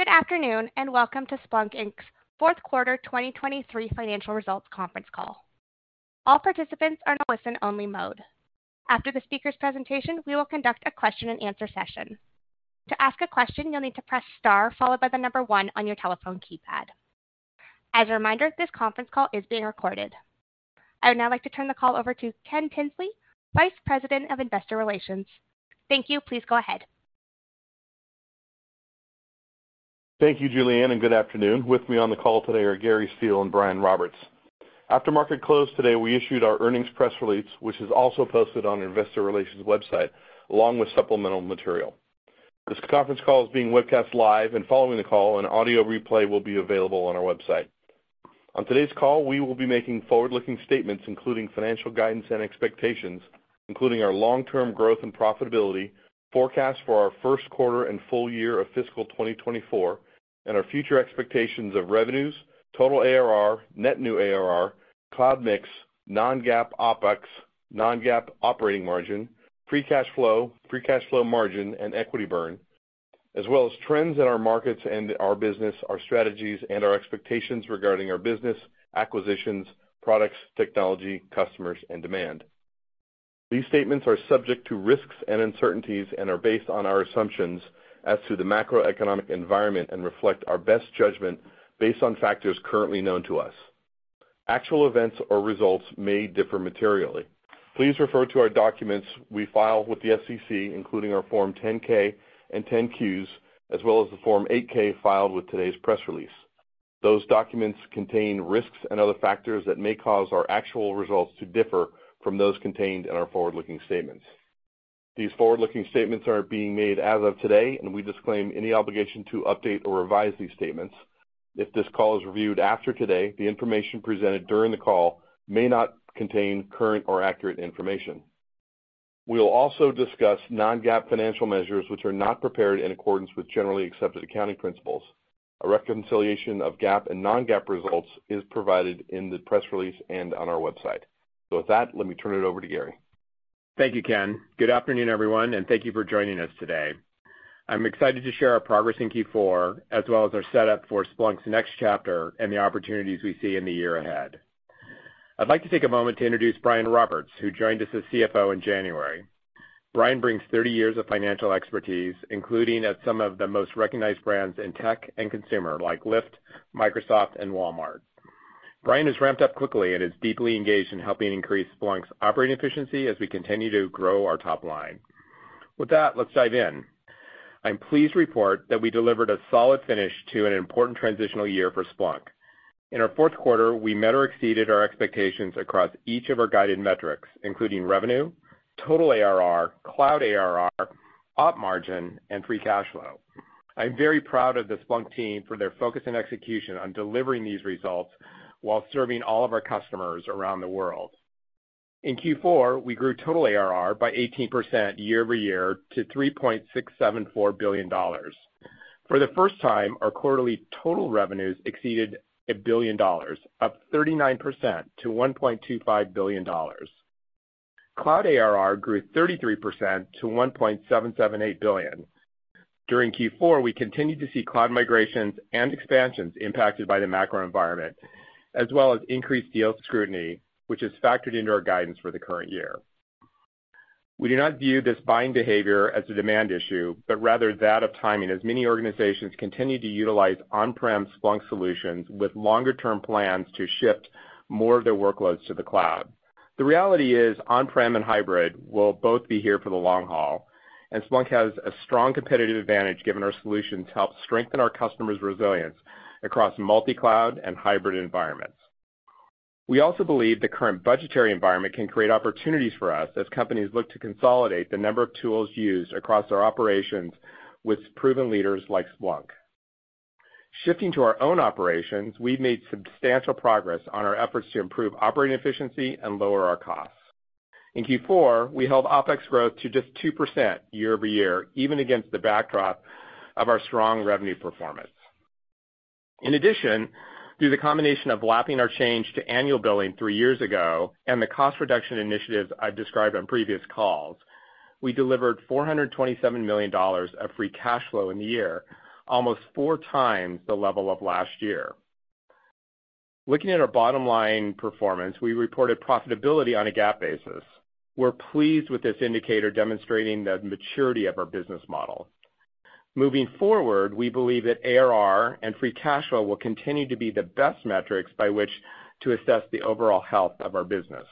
Good afternoon, and welcome to Splunk Inc's fourth quarter 2023 financial results conference call. All participants are in a listen-only mode. After the speaker's presentation, we will conduct a question-and-answer session. To ask a question, you'll need to press star followed by the number one on your telephone keypad. As a reminder, this conference call is being recorded. I would now like to turn the call over to Ken Tinsley, Vice President of Investor Relations. Thank you. Please go ahead. Thank you, Julianne, and good afternoon. With me on the call today are Gary Steele and Brian Roberts. After market close today, we issued our earnings press release, which is also posted on our investor relations website, along with supplemental material. This conference call is being webcast live, and following the call, an audio replay will be available on our website. On today's call, we will be making forward-looking statements, including financial guidance and expectations, including our long-term growth and profitability forecast for our first quarter and full year of fiscal 2024, and our future expectations of revenues, total ARR, net new ARR, cloud mix, non-GAAP OPEX, non-GAAP operating margin, free cash flow, free cash flow margin, and equity burn, as well as trends in our markets and our business, our strategies, and our expectations regarding our business, acquisitions, products, technology, customers, and demand. These statements are subject to risks and uncertainties and are based on our assumptions as to the macroeconomic environment and reflect our best judgment based on factors currently known to us. Actual events or results may differ materially. Please refer to our documents we file with the SEC, including our Form 10-K and 10-Qs, as well as the Form 8-K filed with today's press release. Those documents contain risks and other factors that may cause our actual results to differ from those contained in our forward-looking statements. These forward-looking statements are being made as of today, and we disclaim any obligation to update or revise these statements. If this call is reviewed after today, the information presented during the call may not contain current or accurate information. We will also discuss non-GAAP financial measures which are not prepared in accordance with generally accepted accounting principles. A reconciliation of GAAP and non-GAAP results is provided in the press release and on our website. With that, let me turn it over to Gary. Thank you, Ken. Good afternoon, everyone, thank you for joining us today. I'm excited to share our progress in Q4, as well as our setup for Splunk's next chapter and the opportunities we see in the year ahead. I'd like to take a moment to introduce Brian Roberts, who joined us as CFO in January. Brian brings 30 years of financial expertise, including at some of the most recognized brands in tech and consumer, like Lyft, Microsoft, and Walmart. Brian has ramped up quickly and is deeply engaged in helping increase Splunk's operating efficiency as we continue to grow our top line. With that, let's dive in. I'm pleased to report that we delivered a solid finish to an important transitional year for Splunk. In our fourth quarter, we met or exceeded our expectations across each of our guided metrics, including revenue, total ARR, cloud ARR, op margin, and free cash flow. I'm very proud of the Splunk team for their focus and execution on delivering these results while serving all of our customers around the world. In Q4, we grew total ARR by 18% year-over-year to $3.674 billion. For the first time, our quarterly total revenues exceeded $1 billion, up 39% to $1.25 billion. Cloud ARR grew 33% to $1.778 billion. During Q4, we continued to see cloud migrations and expansions impacted by the macro environment, as well as increased deal scrutiny, which is factored into our guidance for the current year. We do not view this buying behavior as a demand issue, but rather that of timing, as many organizations continue to utilize on-prem Splunk solutions with longer-term plans to shift more of their workloads to the cloud. The reality is on-prem and hybrid will both be here for the long haul, and Splunk has a strong competitive advantage given our solutions to help strengthen our customers' resilience across multi-cloud and hybrid environments. We also believe the current budgetary environment can create opportunities for us as companies look to consolidate the number of tools used across our operations with proven leaders like Splunk. Shifting to our own operations, we've made substantial progress on our efforts to improve operating efficiency and lower our costs. In Q4, we held OPEX growth to just 2% year-over-year, even against the backdrop of our strong revenue performance. In addition, through the combination of lapping our change to annual billing three years ago and the cost reduction initiatives I've described on previous calls, we delivered $427 million of free cash flow in the year, almost 4x the level of last year. Looking at our bottom-line performance, we reported profitability on a GAAP basis. We're pleased with this indicator demonstrating the maturity of our business model. Moving forward, we believe that ARR and free cash flow will continue to be the best metrics by which to assess the overall health of our business.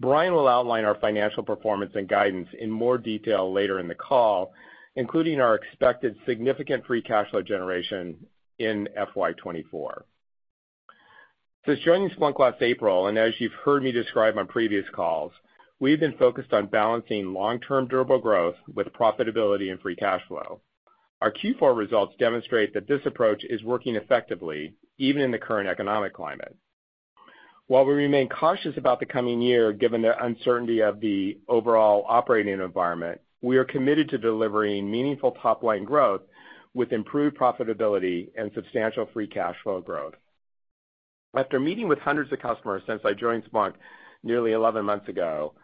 Brian will outline our financial performance and guidance in more detail later in the call, including our expected significant free cash flow generation in FY 2024. Since joining Splunk last April, and as you've heard me describe on previous calls, we've been focused on balancing long-term durable growth with profitability and free cash flow. Our Q4 results demonstrate that this approach is working effectively even in the current economic climate. While we remain cautious about the coming year, given the uncertainty of the overall operating environment, we are committed to delivering meaningful top-line growth with improved profitability and substantial free cash flow growth. After meeting with hundreds of customers since I joined Splunk nearly 11 months ago,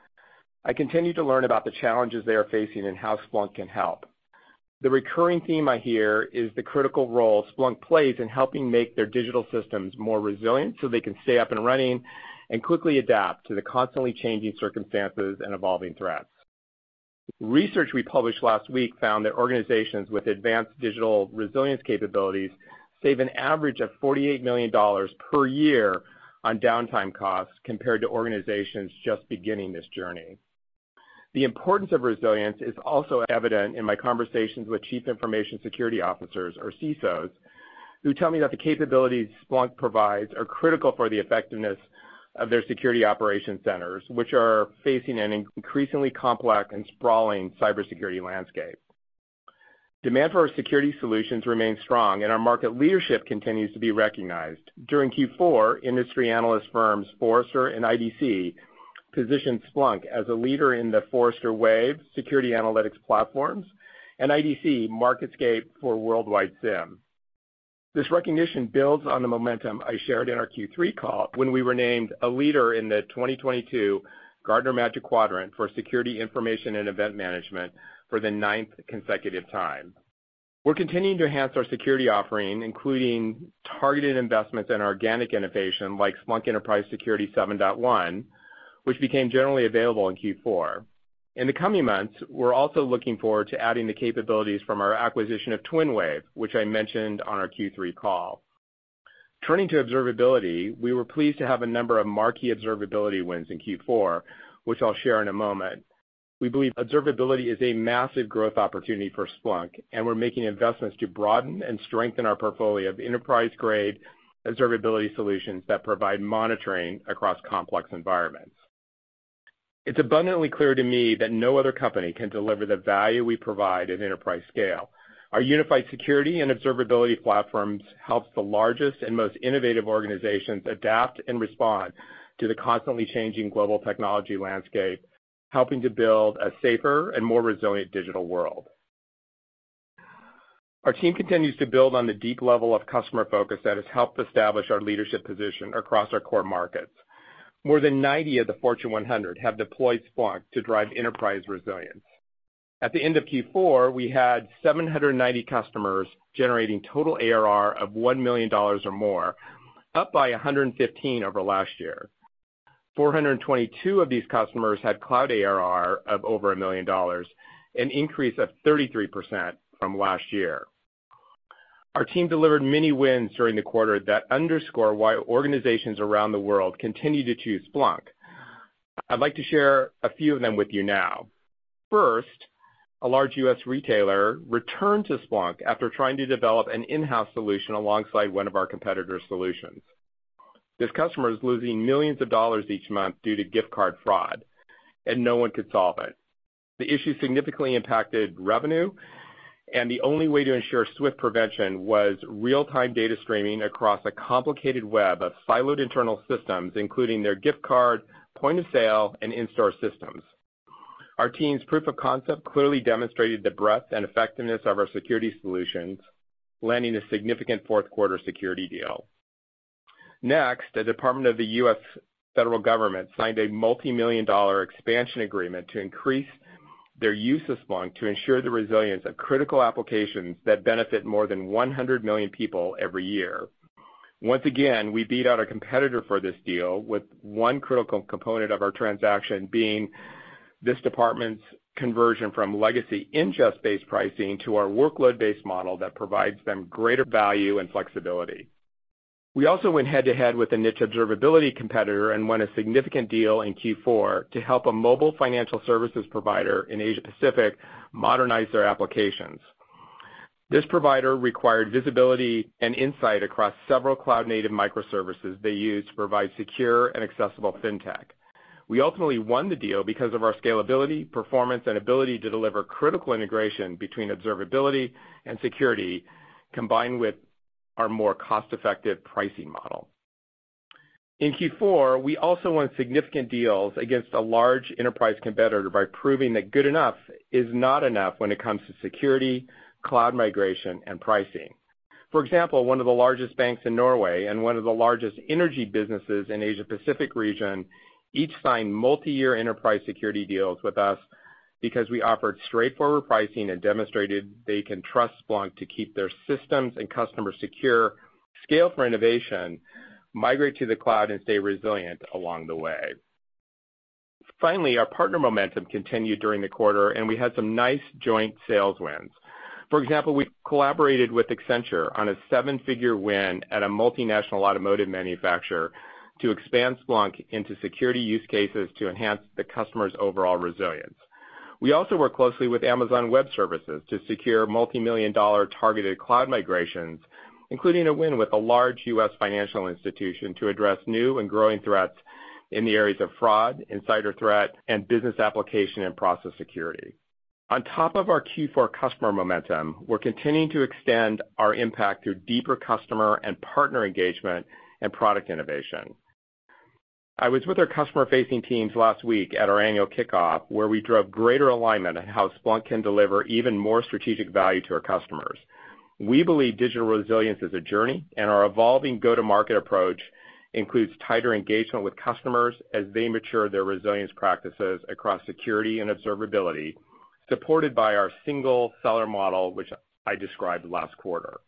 I continue to learn about the challenges they are facing and how Splunk can help. The recurring theme I hear is the critical role Splunk plays in helping make their digital systems more resilient, so they can stay up and running and quickly adapt to the constantly changing circumstances and evolving threats. Research we published last week found that organizations with advanced digital resilience capabilities save an average of $48 million per year on downtime costs compared to organizations just beginning this journey. The importance of resilience is also evident in my conversations with Chief Information Security Officers, or CISOs, who tell me that the capabilities Splunk provides are critical for the effectiveness of their security operation centers, which are facing an increasingly complex and sprawling cybersecurity landscape. Demand for our security solutions remains strong, and our market leadership continues to be recognized. During Q4, industry analyst firms Forrester and IDC positioned Splunk as a leader in the Forrester Wave security analytics platforms and IDC MarketScape for worldwide SIEM. This recognition builds on the momentum I shared in our Q3 call when we were named a leader in the 2022 Gartner Magic Quadrant for security information and event management for the ninth consecutive time. We're continuing to enhance our security offering, including targeted investments and organic innovation like Splunk Enterprise Security 7.1, which became generally available in Q4. In the coming months, we're also looking forward to adding the capabilities from our acquisition of TwinWave, which I mentioned on our Q3 call. Turning to observability, we were pleased to have a number of marquee observability wins in Q4, which I'll share in a moment. We believe observability is a massive growth opportunity for Splunk, and we're making investments to broaden and strengthen our portfolio of enterprise-grade observability solutions that provide monitoring across complex environments. It's abundantly clear to me that no other company can deliver the value we provide at enterprise scale. Our unified security and observability platforms helps the largest and most innovative organizations adapt and respond to the constantly changing global technology landscape, helping to build a safer and more resilient digital world. Our team continues to build on the deep level of customer focus that has helped establish our leadership position across our core markets. More than 90 of the Fortune 100 have deployed Splunk to drive enterprise resilience. At the end of Q4, we had 790 customers generating total ARR of $1 million or more, up by 115 over last year. 422 of these customers had cloud ARR of over $1 million, an increase of 33% from last year. Our team delivered many wins during the quarter that underscore why organizations around the world continue to choose Splunk. I'd like to share a few of them with you now. First, a large U.S. retailer returned to Splunk after trying to develop an in-house solution alongside one of our competitor's solutions. This customer is losing millions of dollars each month due to gift card fraud; no one could solve it. The issue significantly impacted revenue, the only way to ensure swift prevention was real-time data streaming across a complicated web of siloed internal systems, including their gift card, point of sale, and in-store systems. Our team's proof of concept clearly demonstrated the breadth and effectiveness of our security solutions, landing a significant fourth quarter security deal. The Department of the U.S. Federal Government signed a multi-million dollar expansion agreement to increase their use of Splunk to ensure the resilience of critical applications that benefit more than 100 million people every year. Once again, we beat out a competitor for this deal with one critical component of our transaction being this department's conversion from legacy ingest-based pricing to our workload-based model that provides them greater value and flexibility. We also went head-to-head with a niche observability competitor and won a significant deal in Q4 to help a mobile financial services provider in Asia-Pacific modernize their applications. This provider required visibility and insight across several cloud-native microservices they use to provide secure and accessible fintech. We ultimately won the deal because of our scalability, performance, and ability to deliver critical integration between observability and security, combined with our more cost-effective pricing model. In Q4, we also won significant deals against a large enterprise competitor by proving that good enough is not enough when it comes to security, cloud migration, and pricing. For example, one of the largest banks in Norway and one of the largest energy businesses in Asia-Pacific region each signed multiyear enterprise security deals with us because we offered straightforward pricing and demonstrated they can trust Splunk to keep their systems and customers secure, scale for innovation, migrate to the cloud, and stay resilient along the way. Finally, our partner momentum continued during the quarter, and we had some nice joint sales wins. For example, we collaborated with Accenture on a seven-figure win at a multinational automotive manufacturer to expand Splunk into security use cases to enhance the customer's overall resilience. We also work closely with Amazon Web Services to secure multi-million dollar targeted cloud migrations, including a win with a large U.S. financial institution to address new and growing threats in the areas of fraud, insider threat, and business application and process security. On top of our Q4 customer momentum, we're continuing to extend our impact through deeper customer and partner engagement and product innovation. I was with our customer-facing teams last week at our annual kickoff, where we drove greater alignment on how Splunk can deliver even more strategic value to our customers. We believe digital resilience is a journey, and our evolving go-to-market approach includes tighter engagement with customers as they mature their resilience practices across security and observability, supported by our single seller model, which I described last quarter.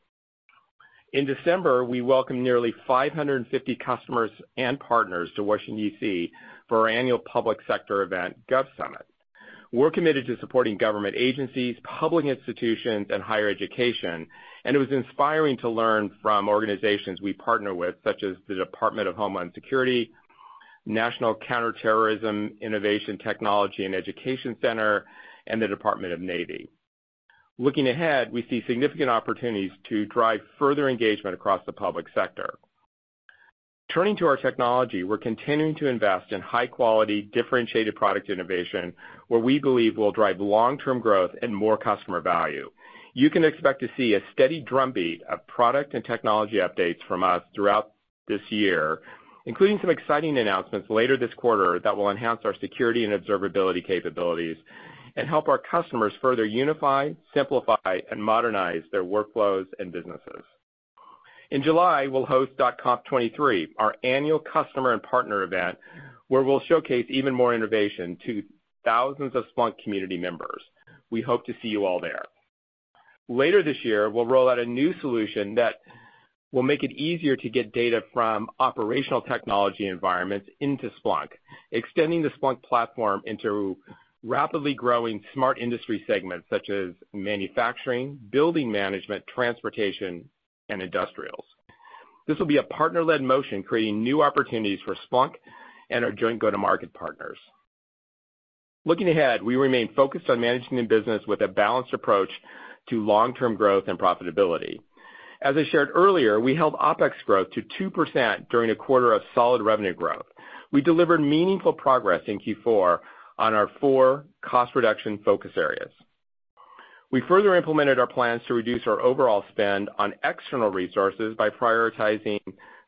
In December, we welcomed nearly 550 customers and partners to Washington, D.C. for our annual public sector event, GovSummit. We're committed to supporting government agencies, public institutions, and higher education, and it was inspiring to learn from organizations we partner with, such as the Department of Homeland Security, National Counterterrorism Innovation, Technology, and Education Center, and the Department of the Navy. Looking ahead, we see significant opportunities to drive further engagement across the public sector. Turning to our technology, we're continuing to invest in high-quality, differentiated product innovation, where we believe will drive long-term growth and more customer value. You can expect to see a steady drumbeat of product and technology updates from us throughout this year, including some exciting announcements later this quarter that will enhance our security and observability capabilities and help our customers further unify, simplify, and modernize their workflows and businesses. In July, we'll host .conf23, our annual customer and partner event, where we'll showcase even more innovation to thousands of Splunk community members. We hope to see you all there. Later this year, we'll roll out a new solution that will make it easier to get data from operational technology environments into Splunk, extending the Splunk platform into rapidly growing smart industry segments such as manufacturing, building management, transportation, and industrials. This will be a partner-led motion, creating new opportunities for Splunk and our joint go-to-market partners. Looking ahead, we remain focused on managing the business with a balanced approach to long-term growth and profitability. As I shared earlier, we held OPEX growth to 2% during a quarter of solid revenue growth. We delivered meaningful progress in Q4 on our four cost reduction focus areas. We further implemented our plans to reduce our overall spend on external resources by prioritizing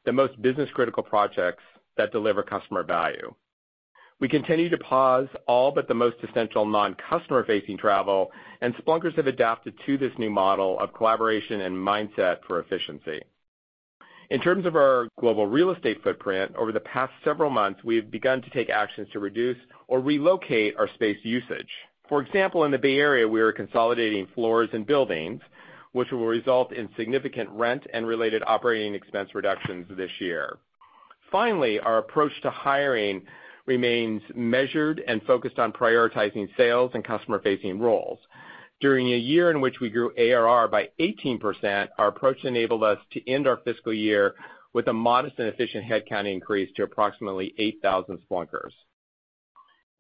the most business-critical projects that deliver customer value. We continue to pause all but the most essential non-customer-facing travel. Splunkers have adapted to this new model of collaboration and mindset for efficiency. In terms of our global real estate footprint, over the past several months, we have begun to take actions to reduce or relocate our space usage. For example, in the Bay Area, we are consolidating floors and buildings, which will result in significant rent and related operating expense reductions this year. Finally, our approach to hiring remains measured and focused on prioritizing sales and customer-facing roles. During a year in which we grew ARR by 18%, our approach enabled us to end our fiscal year with a modest and efficient headcount increase to approximately 8,000 Splunkers.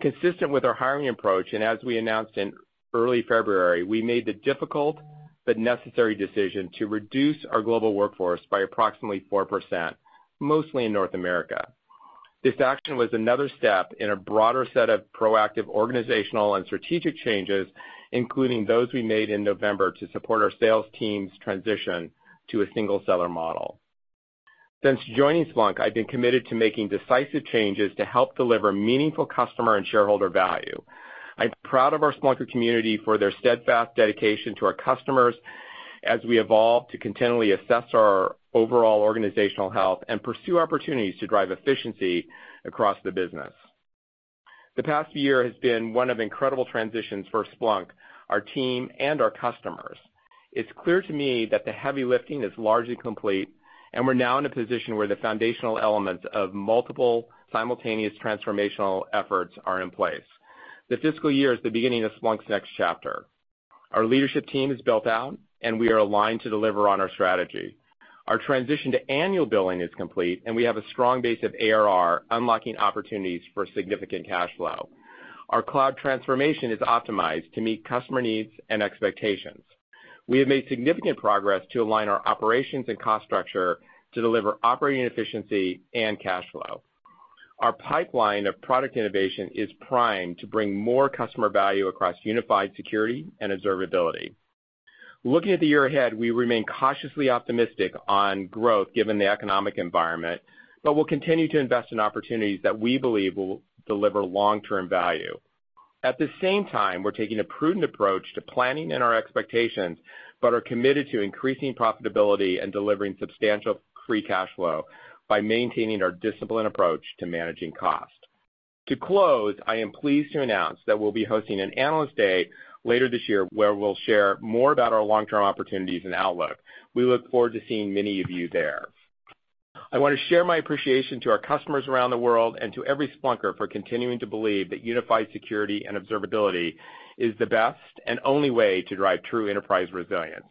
Consistent with our hiring approach, as we announced in early February, we made the difficult but necessary decision to reduce our global workforce by approximately 4%, mostly in North America. This action was another step in a broader set of proactive organizational and strategic changes, including those we made in November to support our sales team's transition to a single seller model. Since joining Splunk, I've been committed to making decisive changes to help deliver meaningful customer and shareholder value. I'm proud of our Splunker community for their steadfast dedication to our customers as we evolve to continually assess our overall organizational health and pursue opportunities to drive efficiency across the business. The past year has been one of incredible transitions for Splunk, our team, and our customers. It's clear to me that the heavy lifting is largely complete, and we're now in a position where the foundational elements of multiple simultaneous transformational efforts are in place. This fiscal year is the beginning of Splunk's next chapter. Our leadership team is built out, and we are aligned to deliver on our strategy. Our transition to annual billing is complete, and we have a strong base of ARR unlocking opportunities for significant cash flow. Our cloud transformation is optimized to meet customer needs and expectations. We have made significant progress to align our operations and cost structure to deliver operating efficiency and cash flow. Our pipeline of product innovation is primed to bring more customer value across unified security and observability. Looking at the year ahead, we remain cautiously optimistic on growth given the economic environment, but we'll continue to invest in opportunities that we believe will deliver long-term value. At the same time, we're taking a prudent approach to planning and our expectations, but are committed to increasing profitability and delivering substantial free cash flow by maintaining our disciplined approach to managing cost. To close, I am pleased to announce that we'll be hosting an Analyst Day later this year, where we'll share more about our long-term opportunities and outlook. We look forward to seeing many of you there. I want to share my appreciation to our customers around the world and to every Splunker for continuing to believe that unified security and observability is the best and only way to drive true enterprise resilience.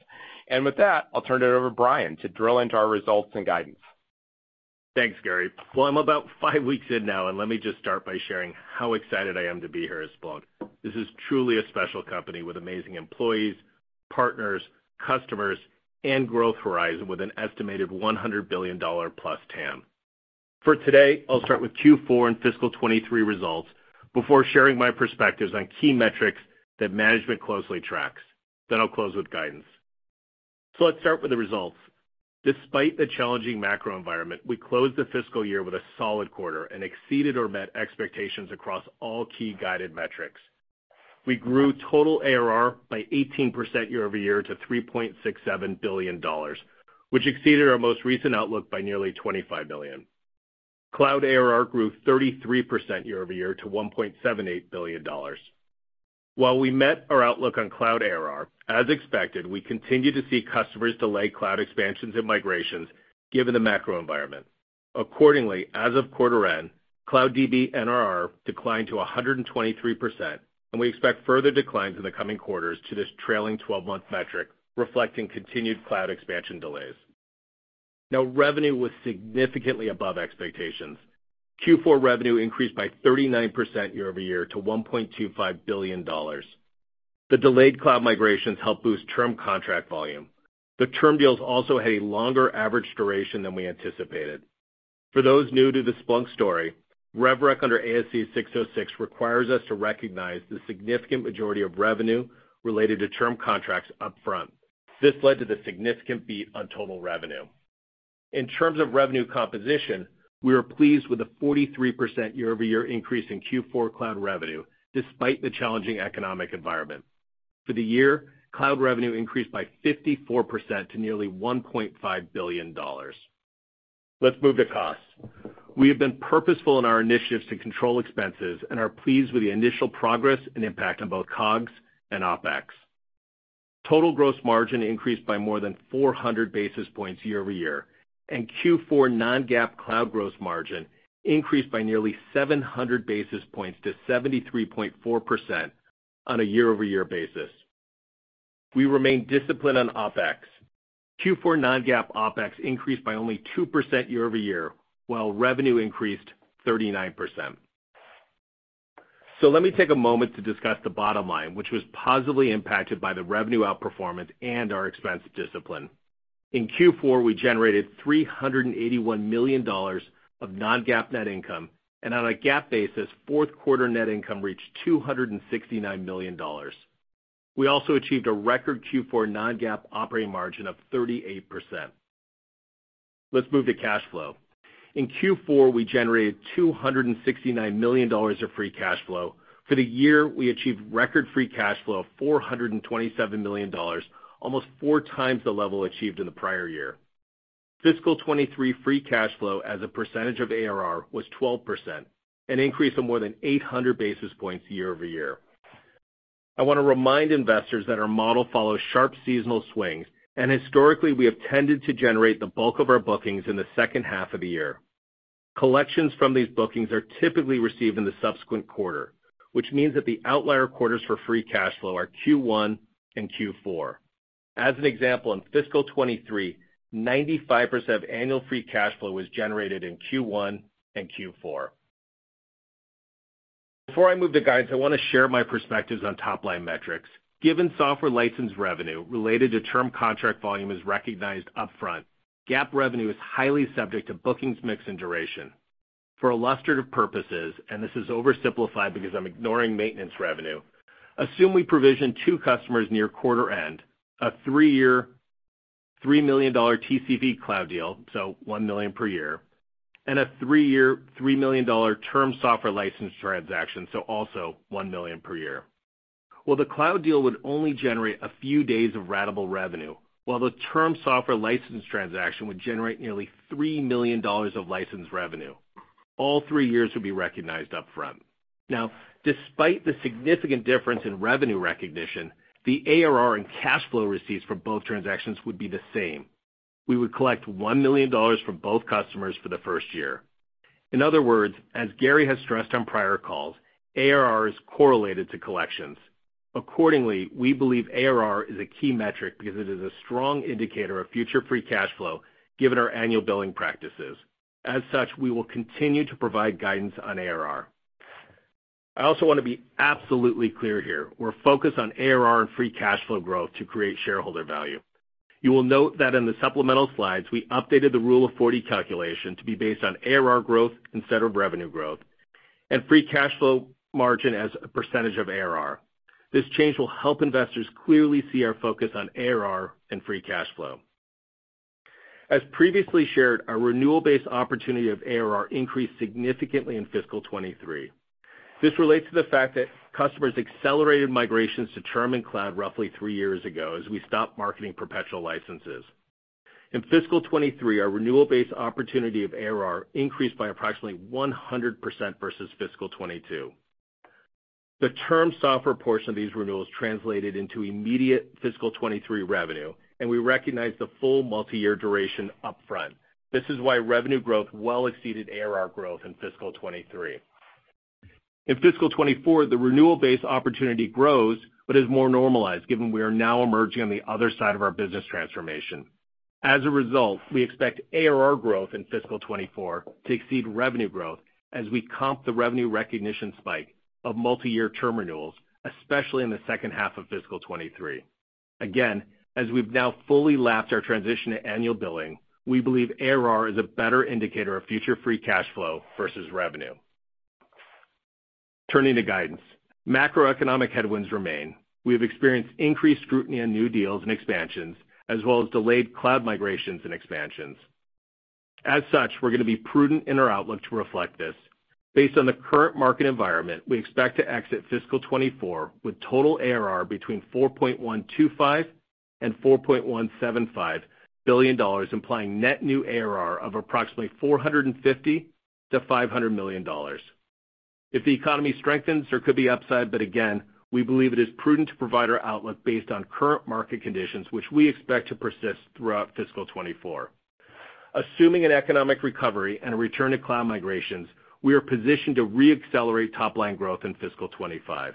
With that, I'll turn it over to Brian to drill into our results and guidance. Thanks, Gary. Well, I'm about five weeks in now, and let me just start by sharing how excited I am to be here at Splunk. This is truly a special company with amazing employees, partners, customers, and growth horizon with an estimated $100 billion-plus TAM. For today, I'll start with Q4 and fiscal 23 results before sharing my perspectives on key metrics that management closely tracks. I'll close with guidance. Let's start with the results. Despite the challenging macro environment, we closed the fiscal year with a solid quarter and exceeded or met expectations across all key guided metrics. We grew total ARR by 18% year-over-year to $3.67 billion, which exceeded our most recent outlook by nearly $25 billion. Cloud ARR grew 33% year-over-year to $1.78 billion. While we met our outlook on cloud ARR, as expected, we continued to see customers delay cloud expansions and migrations given the macro environment. As of quarter end, Cloud DBNRR declined to 123%, and we expect further declines in the coming quarters to this trailing-12-month metric, reflecting continued cloud expansion delays. Revenue was significantly above expectations. Q4 revenue increased by 39% year-over-year to $1.25 billion. The delayed cloud migrations helped boost term contract volume. The term deals also had a longer average duration than we anticipated. For those new to the Splunk story, rev rec under ASC 606 requires us to recognize the significant majority of revenue related to term contracts upfront. This led to the significant beat on total revenue. In terms of revenue composition, we are pleased with the 43% year-over-year increase in Q4 cloud revenue despite the challenging economic environment. For the year, cloud revenue increased by 54% to nearly $1.5 billion. Let's move to costs. We have been purposeful in our initiatives to control expenses and are pleased with the initial progress and impact on both COGS and OpEx. Total gross margin increased by more than 400 basis points year-over-year, and Q4 non-GAAP cloud gross margin increased by nearly 700 basis points to 73.4% on a year-over-year basis. We remain disciplined on OpEx. Q4 non-GAAP OpEx increased by only 2% year-over-year, while revenue increased 39%. Let me take a moment to discuss the bottom line, which was positively impacted by the revenue outperformance and our expense discipline. In Q4, we generated $381 million of non-GAAP net income. On a GAAP basis, fourth quarter net income reached $269 million. We also achieved a record Q4 non-GAAP operating margin of 38%. Let's move to cash flow. In Q4, we generated $269 million of free cash flow. For the year, we achieved record free cash flow of $427 million, almost 4x the level achieved in the prior year. Fiscal 2023 free cash flow as a percentage of ARR was 12%, an increase of more than 800 basis points year-over-year. I want to remind investors that our model follows sharp seasonal swings, and historically, we have tended to generate the bulk of our bookings in the second half of the year. Collections from these bookings are typically received in the subsequent quarter, which means that the outlier quarters for free cash flow are Q1 and Q4. As an example, in fiscal 2023, 95% of annual free cash flow was generated in Q1 and Q4. Before I move to guides, I want to share my perspectives on top-line metrics. Given software license revenue related to term contract volume is recognized upfront, GAAP revenue is highly subject to bookings mix and duration. For illustrative purposes, this is oversimplified because I'm ignoring maintenance revenue, assume we provision two customers near quarter end, a three-year, $3 million TCV cloud deal, so $1 million per year, and a three-year, $3 million term software license transaction, so also $1 million per year. Well, the cloud deal would only generate a few days of ratable revenue, while the term software license transaction would generate nearly $3 million of license revenue. All three years would be recognized upfront. Despite the significant difference in revenue recognition, the ARR and cash flow receipts for both transactions would be the same. We would collect $1 million from both customers for the first year. In other words, as Gary has stressed on prior calls, ARR is correlated to collections. We believe ARR is a key metric because it is a strong indicator of future free cash flow given our annual billing practices. We will continue to provide guidance on ARR. I also want to be absolutely clear here. We're focused on ARR and free cash flow growth to create shareholder value. You will note that in the supplemental slides, we updated the Rule of 40 calculation to be based on ARR growth instead of revenue growth, and free cash flow margin as a percentage of ARR. This change will help investors clearly see our focus on ARR and free cash flow. As previously shared, our renewal-based opportunity of ARR increased significantly in fiscal 2023. This relates to the fact that customers accelerated migrations to term and cloud roughly three years ago as we stopped marketing perpetual licenses. In fiscal 2023, our renewal-based opportunity of ARR increased by approximately 100% versus fiscal 2022. The term software portion of these renewals translated into immediate fiscal 2023 revenue, and we recognized the full multiyear duration upfront. This is why revenue growth well exceeded ARR growth in fiscal 2023. In fiscal 2024, the renewal-based opportunity grows but is more normalized given we are now emerging on the other side of our business transformation. As a result, we expect ARR growth in fiscal 2024 to exceed revenue growth as we comp the revenue recognition spike of multiyear term renewals, especially in the second half of fiscal 2023. Again, as we've now fully lapped our transition to annual billing, we believe ARR is a better indicator of future free cash flow versus revenue. Turning to guidance. Macroeconomic headwinds remain. We have experienced increased scrutiny on new deals and expansions, as well as delayed cloud migrations and expansions. As such, we're gonna be prudent in our outlook to reflect this. Based on the current market environment, we expect to exit fiscal 2024 with total ARR between $4.125 billion and $4.175 billion, implying net new ARR of approximately $450 million-$500 million. If the economy strengthens, there could be upside, but again, we believe it is prudent to provide our outlook based on current market conditions, which we expect to persist throughout fiscal 2024. Assuming an economic recovery and a return to cloud migrations, we are positioned to re-accelerate top-line growth in fiscal 2025.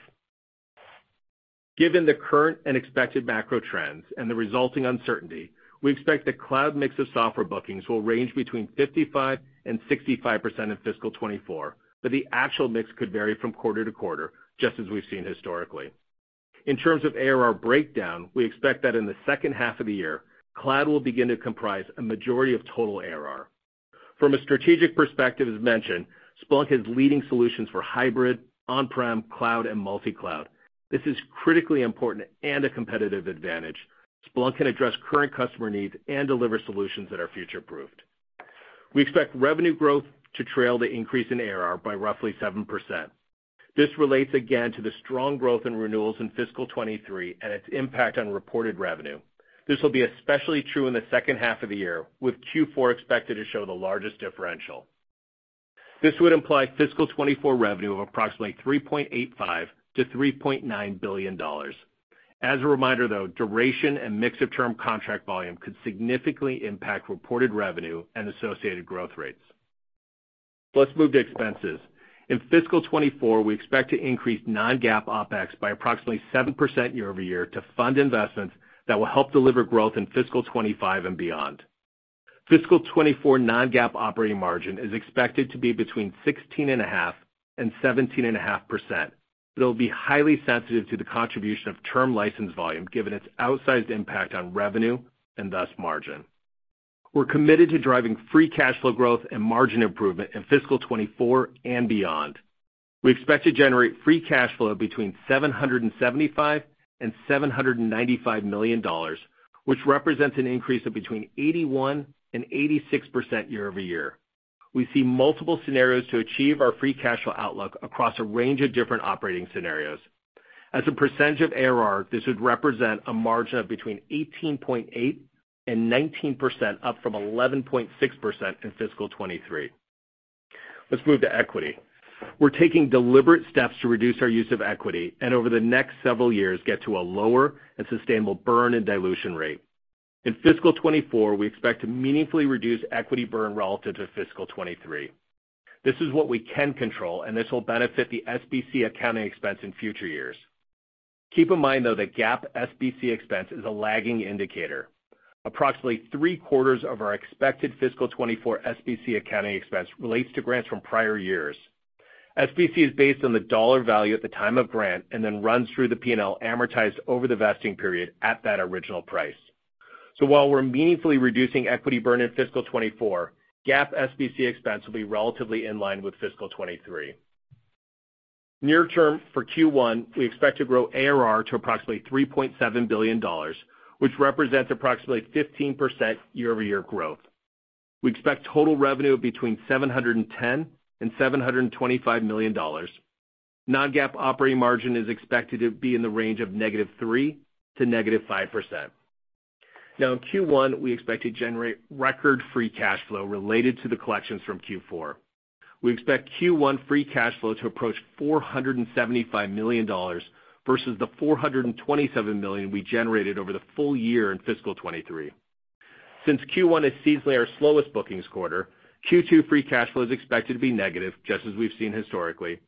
Given the current and expected macro trends and the resulting uncertainty, we expect the cloud mix of software bookings will range between 55% and 65% in fiscal 2024, but the actual mix could vary from quarter-to-quarter, just as we've seen historically. In terms of ARR breakdown, we expect that in the second half of the year, cloud will begin to comprise a majority of total ARR. From a strategic perspective, as mentioned, Splunk has leading solutions for hybrid, on-prem, cloud, and multi-cloud. This is critically important and a competitive advantage. Splunk can address current customer needs and deliver solutions that are future-proofed. We expect revenue growth to trail the increase in ARR by roughly 7%. This relates again to the strong growth in renewals in fiscal 2023 and its impact on reported revenue. This will be especially true in the second half of the year, with Q4 expected to show the largest differential. This would imply fiscal 2024 revenue of approximately $3.85 billion-$3.9 billion. As a reminder, duration and mix of term contract volume could significantly impact reported revenue and associated growth rates. Let's move to expenses. In fiscal 2024, we expect to increase non-GAAP OpEx by approximately 7% year-over-year to fund investments that will help deliver growth in fiscal 2025 and beyond. Fiscal 2024 non-GAAP operating margin is expected to be between sixteen and a half and seventeen and a half percent, it'll be highly sensitive to the contribution of term license volume given its outsized impact on revenue and thus margin. We're committed to driving free cash flow growth and margin improvement in fiscal 2024 and beyond. We expect to generate free cash flow between $775 million and $795 million, which represents an increase of between 81% and 86% year-over-year. We see multiple scenarios to achieve our free cash flow outlook across a range of different operating scenarios. As a percentage of ARR, this would represent a margin of between 18.8% and 19%, up from 11.6% in fiscal 2023. Let's move to equity. We're taking deliberate steps to reduce our use of equity, and over the next several years, get to a lower and sustainable burn and dilution rate. In fiscal 2024, we expect to meaningfully reduce equity burn relative to fiscal 2023. This is what we can control, and this will benefit the SBC accounting expense in future years. Keep in mind, though, that GAAP SBC expense is a lagging indicator. Approximately three-quarters of our expected fiscal 2024 SBC accounting expense relates to grants from prior years. SBC is based on the dollar value at the time of grant and then runs through the P&L amortized over the vesting period at that original price. While we're meaningfully reducing equity burn in fiscal 2024, GAAP SBC expense will be relatively in line with fiscal 2023. Near term for Q1, we expect to grow ARR to approximately $3.7 billion, which represents approximately 15% year-over-year growth. We expect total revenue between $710 million-$725 million. Non-GAAP operating margin is expected to be in the range of -3% to -5%. In Q1, we expect to generate record free cash flow related to the collections from Q4. We expect Q1 free cash flow to approach $475 million versus the $427 million we generated over the full year in fiscal 2023. Since Q1 is seasonally our slowest bookings quarter, Q2 free cash flow is expected to be negative, just as we've seen historically.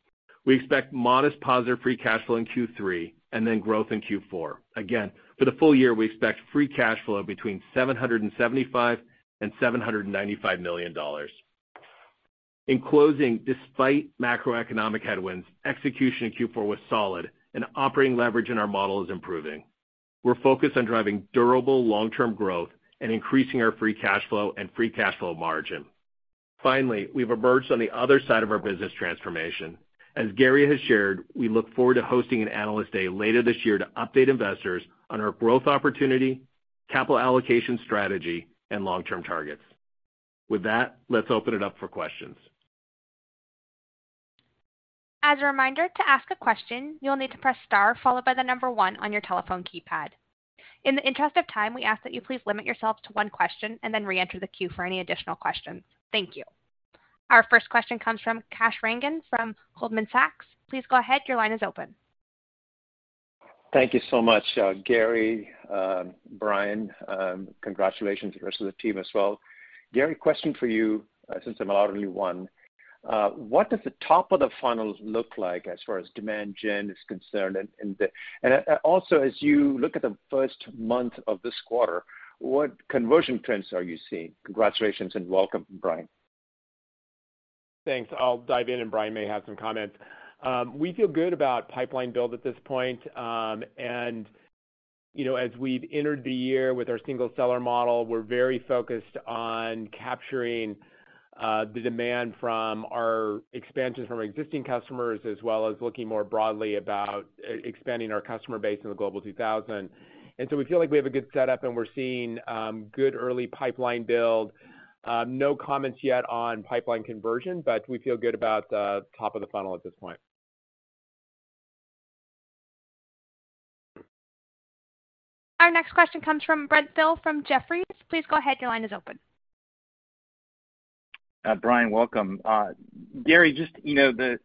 We expect modest positive free cash flow in Q3 and then growth in Q4. For the full year, we expect free cash flow between $775 million and $795 million. Despite macroeconomic headwinds, execution in Q4 was solid and operating leverage in our model is improving. We're focused on driving durable long-term growth and increasing our free cash flow and free cash flow margin. We've emerged on the other side of our business transformation. As Gary has shared, we look forward to hosting an Analyst Day later this year to update investors on our growth opportunity, capital allocation strategy, and long-term targets. With that, let's open it up for questions. As a reminder, to ask a question, you'll need to press star followed by the number one on your telephone keypad. In the interest of time, we ask that you please limit yourself to one question and then reenter the queue for any additional questions. Thank you. Our first question comes from Kash Rangan from Goldman Sachs. Please go ahead. Your line is open. Thank you so much, Gary, Brian. Congratulations to the rest of the team as well. Gary, question for you since I'm allowed only one. What does the top of the funnel look like as far as demand gen is concerned? Also, as you look at the first month of this quarter, what conversion trends are you seeing? Congratulations and welcome, Brian. Thanks. I'll dive in, and Brian may have some comments. We feel good about pipeline build at this point. You know, as we've entered the year with our single seller model, we're very focused on capturing the demand from our expansion from our existing customers, as well as looking more broadly about expanding our customer base in the Global 2000. We feel like we have a good setup, and we're seeing good early pipeline build. No comments yet on pipeline conversion, but we feel good about the top of the funnel at this point. Our next question comes from Brent Thill from Jefferies. Please go ahead. Your line is open. Brian, welcome. Gary, just, you know, the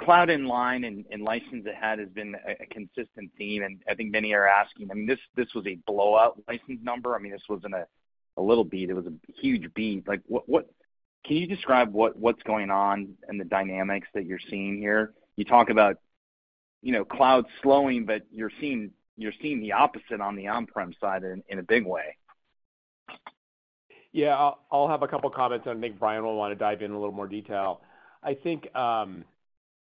cloud in line and license ahead has been a consistent theme, and I think many are asking. I mean, this was a blowout license number. I mean, this wasn't a little beat, it was a huge beat. Like, can you describe what's going on in the dynamics that you're seeing here? You talk about, you know, cloud slowing, but you're seeing the opposite on the on-prem side in a big way. Yeah. I'll have a couple comments, and I think Brian will wanna dive in a little more detail. I think,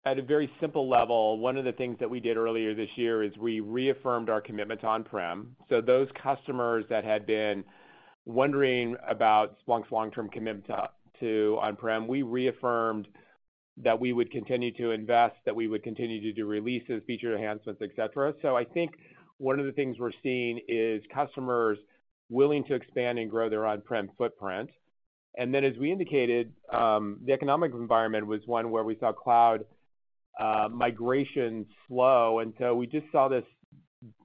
at a very simple level, one of the things that we did earlier this year is we reaffirmed our commitment to on-prem. Those customers that had been wondering about Splunk's long-term commitment to on-prem, we reaffirmed that we would continue to invest, that we would continue to do releases, feature enhancements, et cetera. I think one of the things we're seeing is customers willing to expand and grow their on-prem footprint. As we indicated, the economic environment was one where we saw cloud migration slow. We just saw this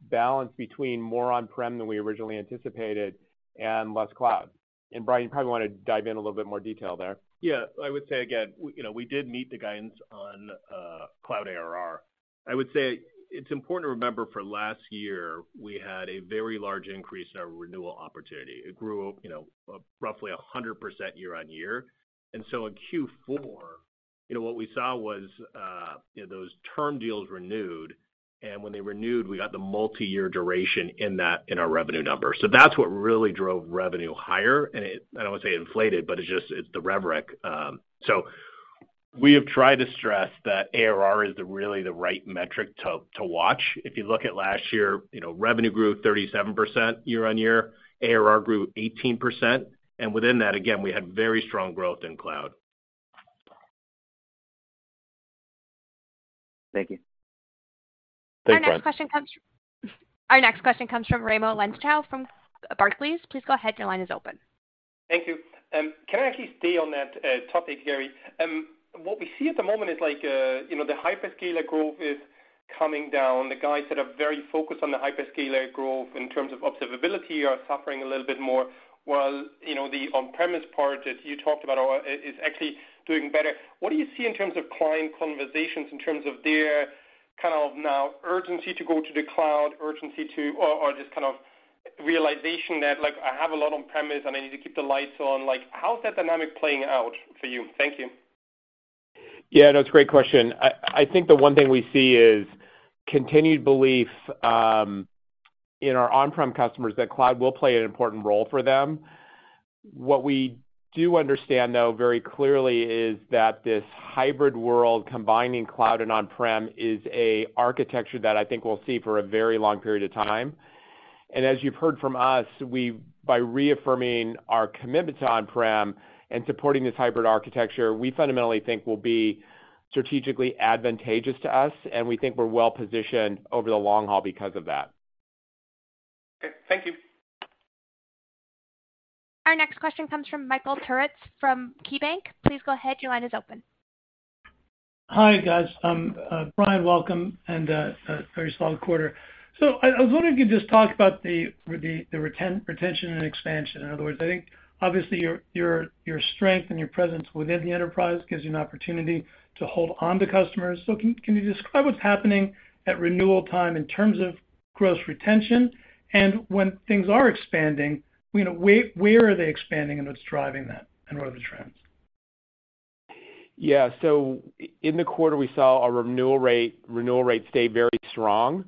balance between more on-prem than we originally anticipated and less cloud. Brian, you probably wanna dive in a little bit more detail there. Yeah. I would say again, we, you know, we did meet the guidance on cloud ARR. I would say it's important to remember for last year, we had a very large increase in our renewal opportunity. It grew, you know, roughly 100% year-over-year. In Q4, you know, what we saw was, you know, those term deals renewed, and when they renewed, we got the multiyear duration in that, in our revenue number. That's what really drove revenue higher. I don't wanna say inflated, but it's just, it's the rev REC. We have tried to stress that ARR is the really the right metric to watch. If you look at last year, you know, revenue grew 37% year-over-year, ARR grew 18%, and within that, again, we had very strong growth in cloud. Thank you. Thanks, Brent. Our next question comes from Raimo Lenschow from Barclays. Please go ahead. Your line is open. Thank you. Can I actually stay on that topic, Gary? What we see at the moment is like, you know, the hyperscaler growth is coming down. The guys that are very focused on the hyperscaler growth in terms of observability are suffering a little bit more, while, you know, the on-premise part that you talked about is actually doing better. What do you see in terms of client conversations in terms of their kind of now urgency to go to the cloud, or just kind of realization that, like, I have a lot on-premise and I need to keep the lights on. Like, how's that dynamic playing out for you? Thank you. Yeah, no, it's a great question. I think the one thing we see is continued belief in our on-prem customers that cloud will play an important role for them. What we do understand, though, very clearly is that this hybrid world combining cloud and on-prem is a architecture that I think we'll see for a very long period of time. As you've heard from us, we by reaffirming our commitment to on-prem and supporting this hybrid architecture, we fundamentally think will be strategically advantageous to us, and we think we're well-positioned over the long haul because of that. Okay. Thank you. Our next question comes from Michael Turits from KeyBanc. Please go ahead. Your line is open. Hi, guys. Brian, welcome, a very solid quarter. I was wondering if you just talk about the retention and expansion. In other words, I think obviously your strength and your presence within the enterprise gives you an opportunity to hold on to customers. Can you describe what's happening at renewal time in terms of gross retention? When things are expanding, you know, where are they expanding and what's driving that, and what are the trends? Yeah. In the quarter, we saw our renewal rate stay very strong.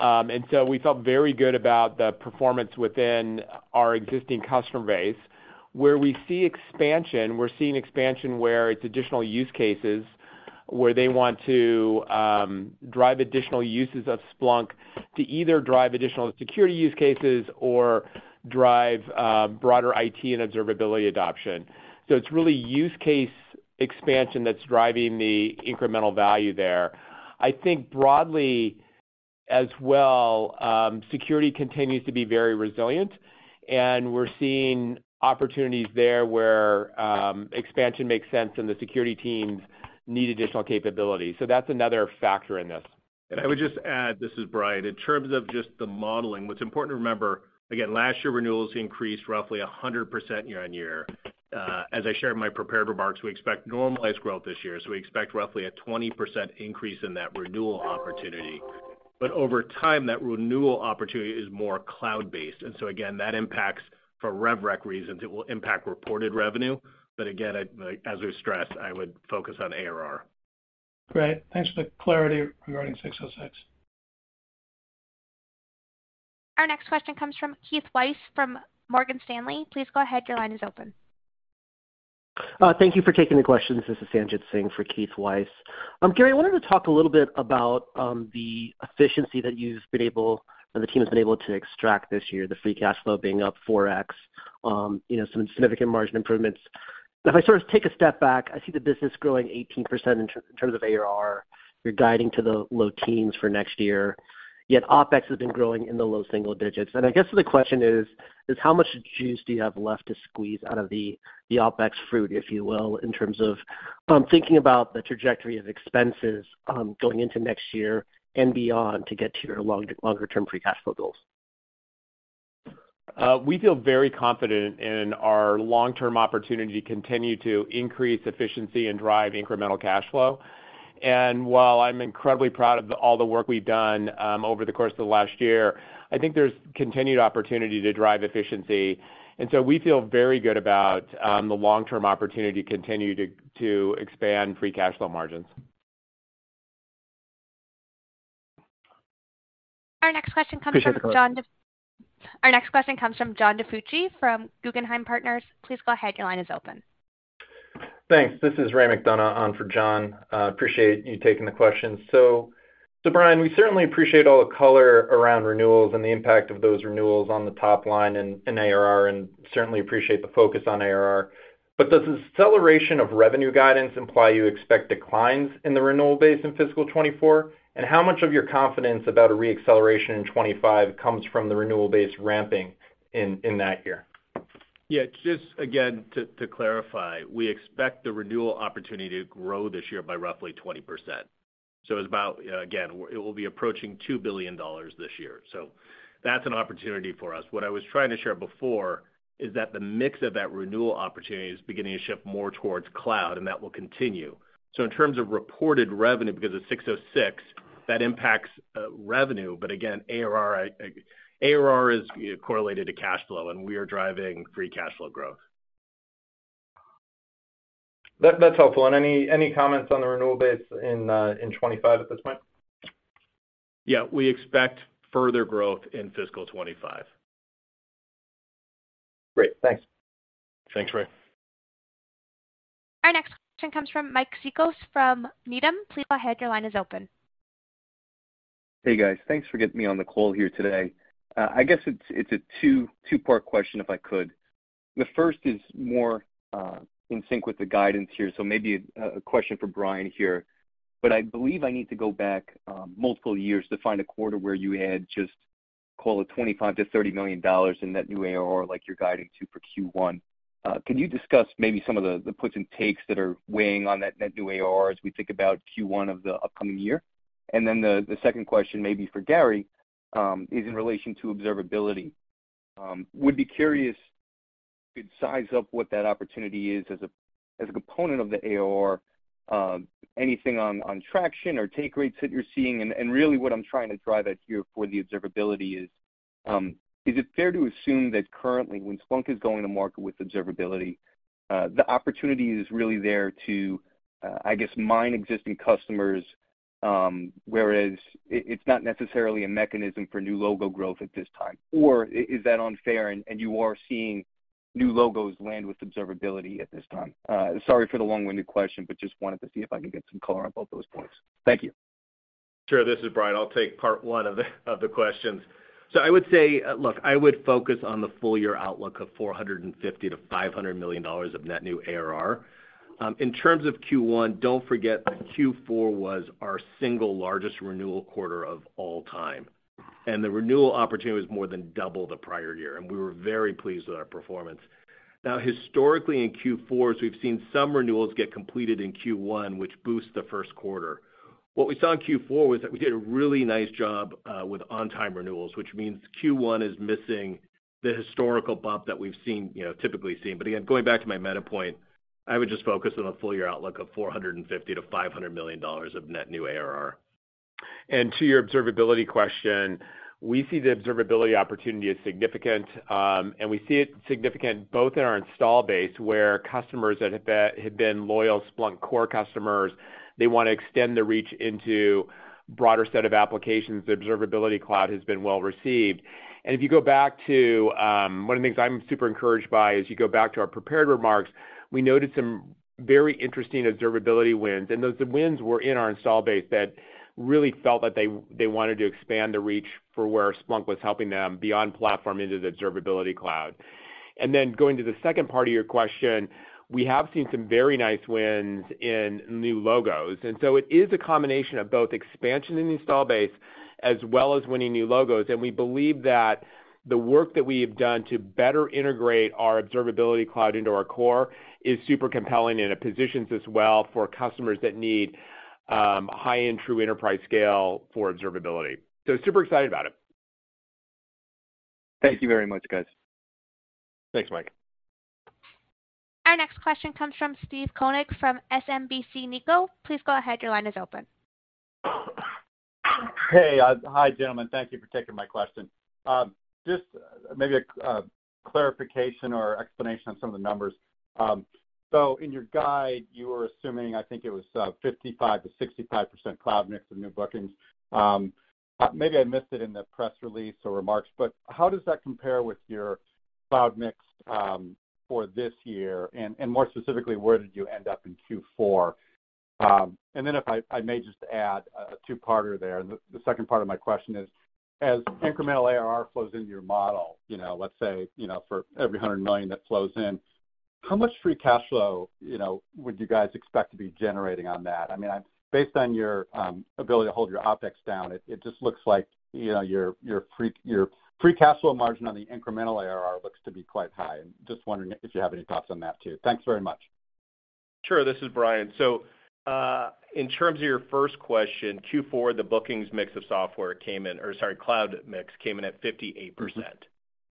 We felt very good about the performance within our existing customer base. Where we see expansion, we're seeing expansion where it's additional use cases where they want to drive additional uses of Splunk to either drive additional security use cases or drive broader IT and observability adoption. It's really use case expansion that's driving the incremental value there. I think broadly as well, security continues to be very resilient, we're seeing opportunities there where expansion makes sense and the security teams need additional capabilities. That's another factor in this. I would just add, this is Brian. In terms of just the modeling, what's important to remember, again, last year, renewals increased roughly 100% year-over-year. As I shared in my prepared remarks, we expect normalized growth this year. We expect roughly a 20% increase in that renewal opportunity. Over time, that renewal opportunity is more cloud-based. Again, that impacts for rev REC reasons, it will impact reported revenue. Again, like as we stressed, I would focus on ARR. Great. Thanks for the clarity regarding 606. Our next question comes from Keith Weiss from Morgan Stanley. Please go ahead. Your line is open. Thank you for taking the questions. This is Sanjit Singh for Keith Weiss. Gary, I wanted to talk a little bit about the efficiency that you've been able or the team has been able to extract this year, the free cash flow being up 4x, you know, some significant margin improvements. If I sort of take a step back, I see the business growing 18% in terms of ARR. You're guiding to the low teens for next year, yet OpEx has been growing in the low single digits. I guess the question is how much juice do you have left to squeeze out of the OpEx fruit, if you will, in terms of thinking about the trajectory of expenses going into next year and beyond to get to your longer term free cash flow goals? We feel very confident in our long-term opportunity to continue to increase efficiency and drive incremental cash flow. While I'm incredibly proud of all the work we've done over the course of the last year, I think there's continued opportunity to drive efficiency. We feel very good about the long-term opportunity to continue to expand free cash flow margins. Our next question comes from John. Appreciate the color. Our next question comes from John DiFucci from Guggenheim Partners. Please go ahead. Your line is open. Thanks. This is Ray McDonough on for John. Appreciate you taking the question. Brian, we certainly appreciate all the color around renewals and the impact of those renewals on the top line and ARR, and certainly appreciate the focus on ARR. Does the acceleration of revenue guidance imply you expect declines in the renewal base in fiscal 24? How much of your confidence about a re-acceleration in 25 comes from the renewal base ramping in that year? Yeah. Just again, to clarify, we expect the renewal opportunity to grow this year by roughly 20%. It's about, again, it will be approaching $2 billion this year. That's an opportunity for us. What I was trying to share before is that the mix of that renewal opportunity is beginning to shift more towards cloud, and that will continue. In terms of reported revenue, because of ASC 606, that impacts revenue. Again, ARR is correlated to cash flow, and we are driving free cash flow growth. That's helpful. Any comments on the renewal base in 2025 at this point? We expect further growth in fiscal 25. Great. Thanks. Thanks, Ray. Our next question comes from Mike Cikos from Needham. Please go ahead. Your line is open. Hey, guys. Thanks for getting me on the call here today. I guess it's a two-part question, if I could. The first is more in sync with the guidance here, so maybe a question for Brian here. I believe I need to go back, multiple years to find a quarter where you had just call it $25 million-$30 million in net new ARR like you're guiding to for Q1. Can you discuss maybe some of the puts and takes that are weighing on net new ARR as we think about Q1 of the upcoming year? The second question may be for Gary, is in relation to observability. Would be curious to size up what that opportunity is as a component of the ARR, anything on traction or take rates that you're seeing. Really what I'm trying to drive at here for the observability is it fair to assume that currently when Splunk is going to market with observability, the opportunity is really there to, I guess, mine existing customers, whereas it's not necessarily a mechanism for new logo growth at this time? Is that unfair, and you are seeing new logos land with observability at this time? Sorry for the long-winded question, just wanted to see if I could get some color on both those points. Thank you. Sure. This is Brian. I'll take part one of the questions. I would say, look, I would focus on the full year outlook of $450 million-$500 million of net new ARR. In terms of Q1, don't forget that Q4 was our single largest renewal quarter of all time, and the renewal opportunity was more than double the prior year, and we were very pleased with our performance. Historically in Q4, as we've seen some renewals get completed in Q1, which boosts the first quarter. What we saw in Q4 was that we did a really nice job with on-time renewals, which means Q1 is missing the historical bump that we've seen, you know, typically seen. Again, going back to my meta point, I would just focus on a full year outlook of $450 million-$500 million of net new ARR. To your observability question, we see the observability opportunity as significant, and we see it significant both in our install base, where customers that have been loyal Splunk core customers, they want to extend their reach into broader set of applications. The Observability Cloud has been well received. If you go back to, one of the things I'm super encouraged by is you go back to our prepared remarks. We noted some very interesting observability wins, and those wins were in our install base that really felt that they wanted to expand the reach for where Splunk was helping them beyond platform into the Observability Cloud. Then going to the second part of your question, we have seen some very nice wins in new logos. It is a combination of both expansion in the install base as well as winning new logos. We believe that the work that we have done to better integrate our Observability Cloud into our core is super compelling, and it positions us well for customers that need high-end true enterprise scale for observability. Super excited about it. Thank you very much, guys. Thanks, Mike. Our next question comes from Steve Koenig from SMBC Nikko. Please go ahead. Your line is open. Hey, hi gentlemen. Thank you for taking my question. Just maybe a clarification or explanation on some of the numbers. In your guide, you were assuming, I think it was 55%-65% cloud mix of new bookings. Maybe I missed it in the press release or remarks. How does that compare with your cloud mix for this year? More specifically, where did you end up in Q4? If I may just add a two-parter there. The second part of my question is, as incremental ARR flows into your model, you know, let's say, for every $100 million that flows in, how much free cash flow, you know, would you guys expect to be generating on that? I mean, based on your ability to hold your OPEX down, it just looks like, you know, your free cash flow margin on the incremental ARR looks to be quite high. I'm just wondering if you have any thoughts on that too. Thanks very much. Sure. This is Brian. In terms of your first question, Q4, or sorry, cloud mix came in at 58%. Mm-hmm.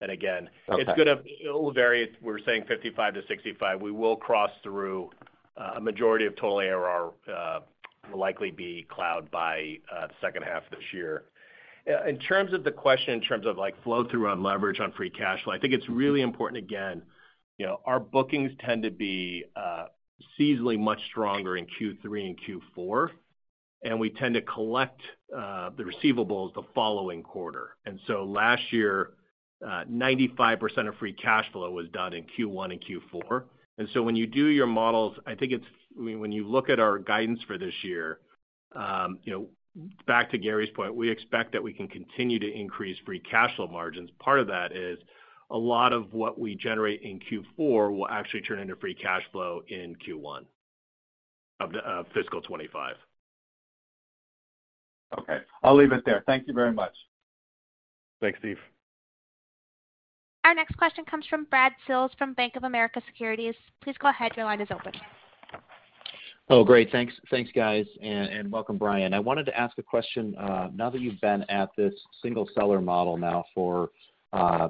And again. Okay. it'll vary. We're saying 55-65. We will cross through a majority of total ARR will likely be cloud by the second half of this year. In terms of the question in terms of like flow through on leverage on free cash flow, I think it's really important, again, you know, our bookings tend to be seasonally much stronger in Q3 and Q4, and we tend to collect the receivables the following quarter. Last year, 95% of free cash flow was done in Q1 and Q4. So when you do your models, I mean, when you look at our guidance for this year, you know, back to Gary Steele's point, we expect that we can continue to increase free cash flow margins. Part of that is a lot of what we generate in Q4 will actually turn into free cash flow in Q1 of fiscal 25. Okay. I'll leave it there. Thank you very much. Thanks, Steve. Our next question comes from Brad Sills from Bank of America Securities. Please go ahead, your line is open. Great. Thanks, guys, and welcome, Brian. I wanted to ask a question, now that you've been at this single seller model now for,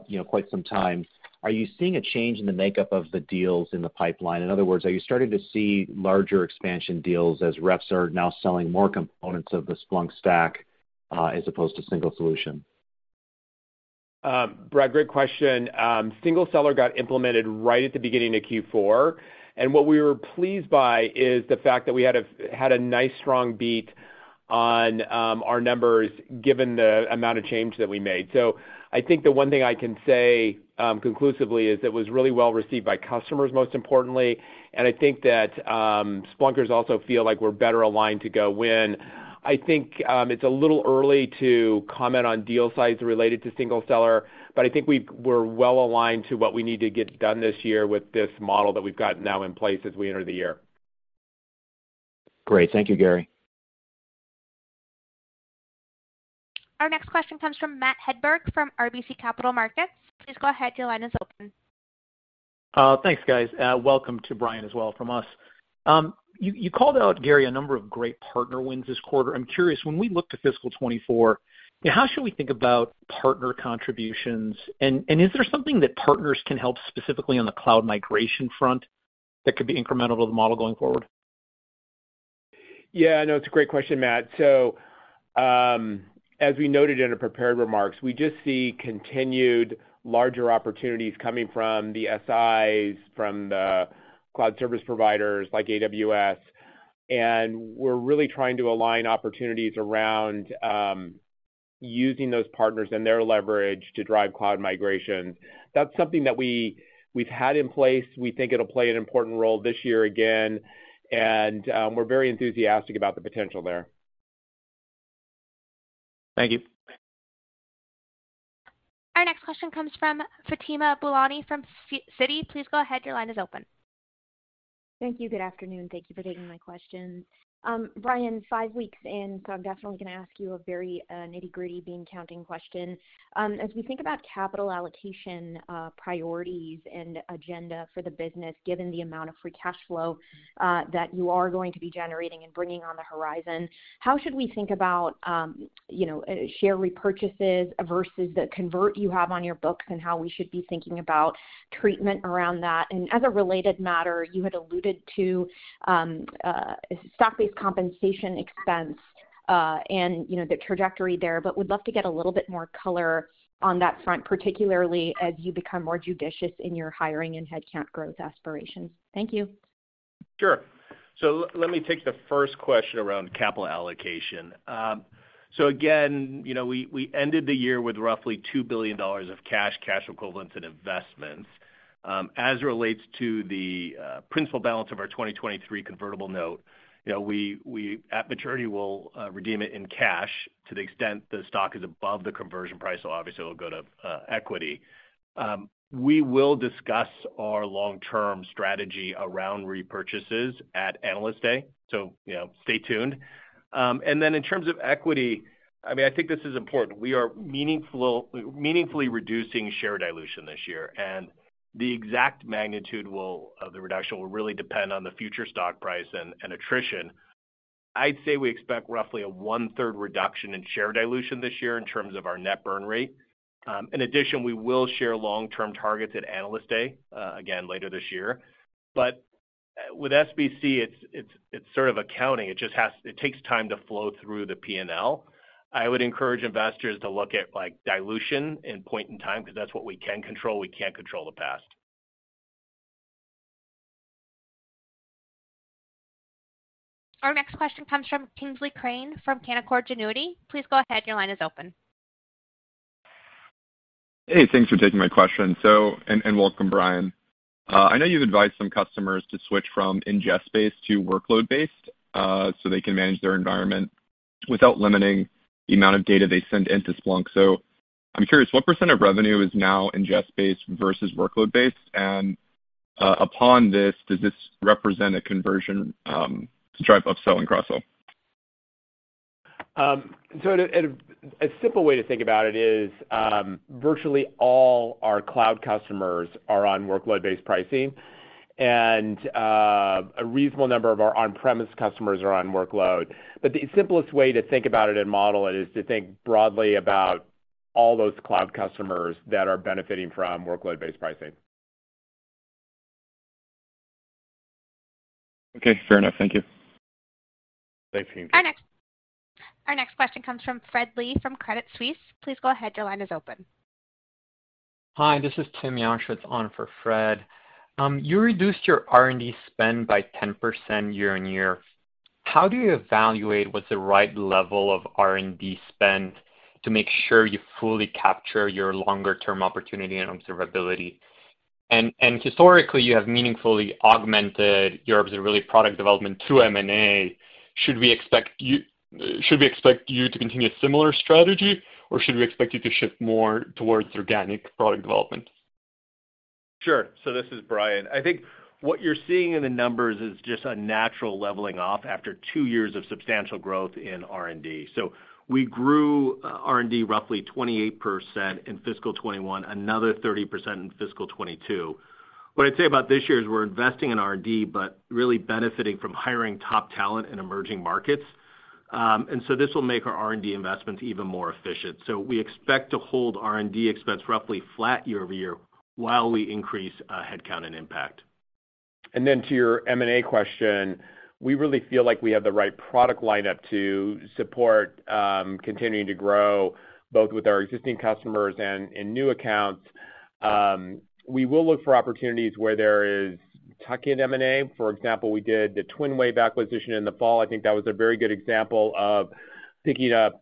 you know, quite some time, are you seeing a change in the makeup of the deals in the pipeline? In other words, are you starting to see larger expansion deals as reps are now selling more components of the Splunk stack, as opposed to single solution? Brad, great question. single seller got implemented right at the beginning of Q4. What we were pleased by is the fact that we had a, had a nice strong beat on our numbers given the amount of change that we made. I think the one thing I can say conclusively is it was really well received by customers, most importantly. I think that Splunkers also feel like we're better aligned to go win. It's a little early to comment on deal size related to single seller, but I think we're well aligned to what we need to get done this year with this model that we've got now in place as we enter the year. Great. Thank you, Gary. Our next question comes from Matt Hedberg from RBC Capital Markets. Please go ahead, your line is open. Thanks, guys. Welcome to Brian as well from us. You called out, Gary, a number of great partner wins this quarter. I'm curious, when we look to fiscal 2024, how should we think about partner contributions? Is there something that partners can help specifically on the cloud migration front that could be incremental to the model going forward? Yeah, no, it's a great question, Matt. As we noted in our prepared remarks, we just see continued larger opportunities coming from the SIs, from the cloud service providers like AWS, and we're really trying to align opportunities around using those partners and their leverage to drive cloud migration. That's something that we've had in place. We think it'll play an important role this year again, and we're very enthusiastic about the potential there. Thank you. Our next question comes from Fatima Boolani from Citi. Please go ahead, your line is open. Thank you. Good afternoon. Thank you for taking my questions. Brian, five weeks in, so I'm definitely gonna ask you a very nitty-gritty bean-counting question. As we think about capital allocation, priorities and agenda for the business, given the amount of free cash flow that you are going to be generating and bringing on the horizon, how should we think about, you know, share repurchases versus the convert you have on your books and how we should be thinking about treatment around that? As a related matter, you had alluded to stock-based compensation expense, and you know, the trajectory there, but we'd love to get a little bit more color on that front, particularly as you become more judicious in your hiring and headcount growth aspirations. Thank you. Sure. Let me take the first question around capital allocation. Again, you know, we ended the year with roughly $2 billion of cash equivalents, and investments. As it relates to the principal balance of our 2023 convertible note, you know, we at maturity will redeem it in cash to the extent the stock is above the conversion price. Obviously, it'll go to equity. We will discuss our long-term strategy around repurchases at Analyst Day, you know, stay tuned. In terms of equity, I mean, I think this is important. We are meaningfully reducing share dilution this year, and the exact magnitude of the reduction will really depend on the future stock price and attrition. I'd say we expect roughly a one-third reduction in share dilution this year in terms of our net burn rate. In addition, we will share long-term targets at Analyst Day again later this year. With SBC, it's sort of accounting. It takes time to flow through the P&L. I would encourage investors to look at, like, dilution in point in time because that's what we can control. We can't control the past. Our next question comes from Kingsley Crane from Canaccord Genuity. Please go ahead, your line is open. Hey, thanks for taking my question. Welcome, Brian. I know you've advised some customers to switch from ingest-based to workload-based so they can manage their environment without limiting the amount of data they send into Splunk. I'm curious, what percent of revenue is now ingest-based versus workload-based? Upon this, does this represent a conversion to drive upsell and cross-sell? At a simple way to think about it is, virtually all our cloud customers are on workload-based pricing. A reasonable number of our on-premise customers are on workload. The simplest way to think about it and model it is to think broadly about all those cloud customers that are benefiting from workload-based pricing. Okay, fair enough. Thank you. Thanks. Our next question comes from Fred Lee from Credit Suisse. Please go ahead, your line is open. Hi, this is Tim Usasz. It's on for Fred. You reduced your R&D spend by 10% year-on-year. How do you evaluate what's the right level of R&D spend to make sure you fully capture your longer term opportunity and observability? Historically, you have meaningfully augmented your observability product development through M&A. Should we expect you to continue a similar strategy, or should we expect you to shift more towards organic product development? Sure. This is Brian. I think what you're seeing in the numbers is just a natural leveling off after two years of substantial growth in R&D. We grew R&D roughly 28% in fiscal 2021, another 30% in fiscal 2022. What I'd say about this year is we're investing in R&D, but really benefiting from hiring top talent in emerging markets. This will make our R&D investments even more efficient. We expect to hold R&D expense roughly flat year-over-year while we increase headcount and impact. To your M&A question, we really feel like we have the right product lineup to support continuing to grow both with our existing customers and in new accounts. We will look for opportunities where there is tuck-in M&A. For example, we did the TwinWave acquisition in the fall. I think that was a very good example of picking up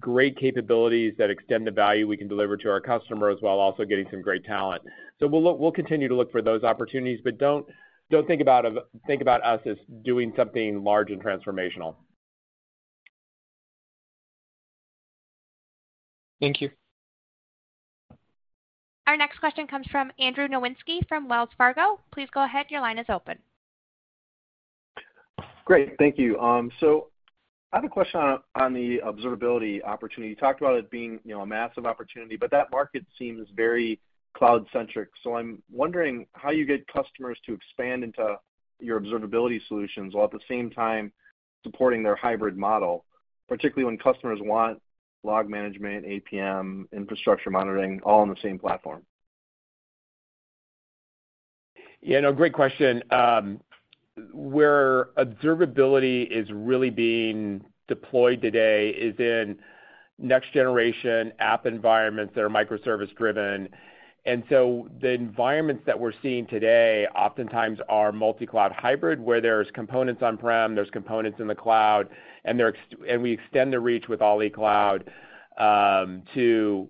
great capabilities that extend the value we can deliver to our customers while also getting some great talent. We'll look, we'll continue to look for those opportunities, but don't think about us as doing something large and transformational. Thank you. Our next question comes from Andrew Nowinski from Wells Fargo. Please go ahead, your line is open. Great. Thank you. I have a question on the observability opportunity. You talked about it being, you know, a massive opportunity, but that market seems very cloud-centric. I'm wondering how you get customers to expand into your observability solutions while at the same time supporting their hybrid model, particularly when customers want log management, APM, infrastructure monitoring, all on the same platform. Yeah, no, great question. Where observability is really being deployed today is in next-generation app environments that are microservice driven. The environments that we're seeing today oftentimes are multi-cloud hybrid, where there's components on-prem, there's components in the cloud, and we extend the reach with Alibaba Cloud to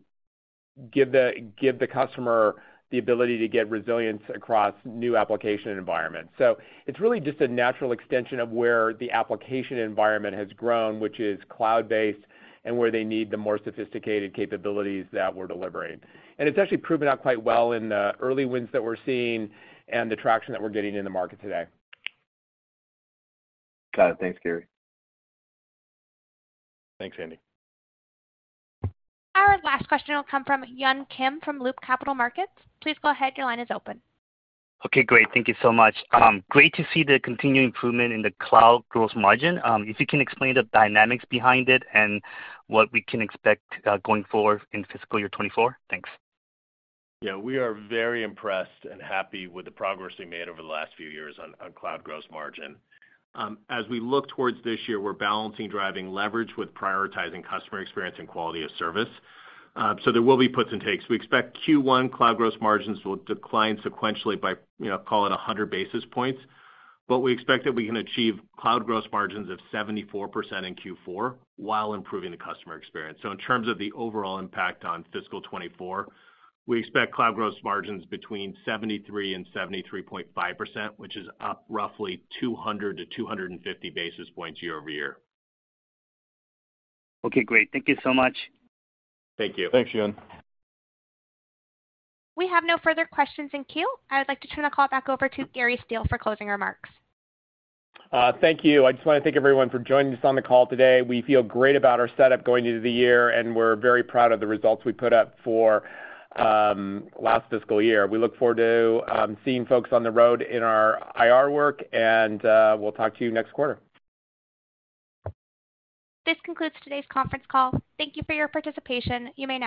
give the customer the ability to get resilience across new application environments. It's really just a natural extension of where the application environment has grown, which is cloud-based, and where they need the more sophisticated capabilities that we're delivering. It's actually proven out quite well in the early wins that we're seeing and the traction that we're getting in the market today. Got it. Thanks, Gary. Thanks, Andy. Our last question will come from Yun Kim from Loop Capital Markets. Please go ahead, your line is open. Okay, great. Thank you so much. Great to see the continued improvement in the cloud gross margin. If you can explain the dynamics behind it and what we can expect, going forward in fiscal year 24. Thanks. Yeah, we are very impressed and happy with the progress we made over the last few years on cloud gross margin. As we look towards this year, we're balancing driving leverage with prioritizing customer experience and quality of service. There will be puts and takes. We expect Q1 cloud gross margins will decline sequentially by, you know, call it 100 basis points. We expect that we can achieve cloud gross margins of 74% in Q4 while improving the customer experience. In terms of the overall impact on fiscal 2024, we expect cloud gross margins between 73% and 73.5%, which is up roughly 200-250 basis points year-over-year. Okay, great. Thank you so much. Thank you. We have no further questions in queue. I would like to turn the call back over to Gary Steele for closing remarks. Thank you. I just wanna thank everyone for joining us on the call today. We feel great about our setup going into the year, and we're very proud of the results we put up for last fiscal year. We look forward to seeing folks on the road in our IR work and we'll talk to you next quarter. This concludes today's conference call. Thank you for your participation. You may now disconnect.